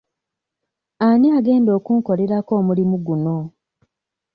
Ani agenda okunkolerako omulimu guno?